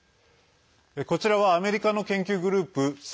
こちらはアメリカの研究グループ３８